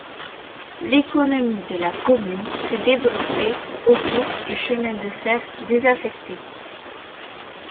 L'économie de la commune s'est développée autour du chemin de fer désaffecté.